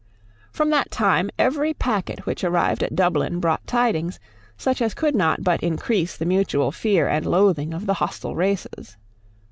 From that time every packet which arrived at Dublin brought tidings, such as could not but increase the mutual fear and loathing of the hostile races.